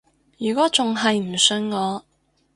如果仲係唔信我